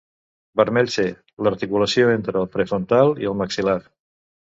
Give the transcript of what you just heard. Vermell C: l'articulació entre el prefrontal i el maxil·lar.